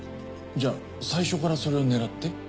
じゃあ最初からそれを狙って？